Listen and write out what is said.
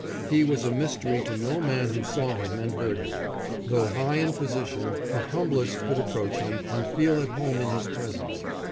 He was a mystery to no man who saw him and heard him. Though high in position, the humblest could approach him and feel at home in his presence.